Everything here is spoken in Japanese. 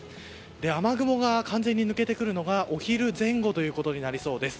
雨雲が完全に抜けてくるのがお昼前後ということになりそうです。